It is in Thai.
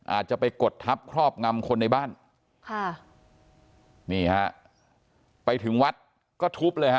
อาจจะไปกดทับครอบงำคนในบ้านค่ะนี่ฮะไปถึงวัดก็ทุบเลยฮะ